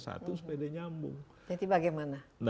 satu sepeda nyambung jadi bagaimana